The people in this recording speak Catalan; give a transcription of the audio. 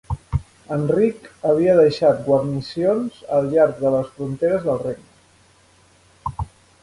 Enric havia deixat guarnicions al llarg de les fronteres del regne.